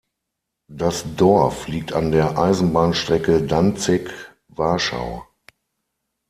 Das Dorf liegt an der Eisenbahnstrecke Danzig–Warschau.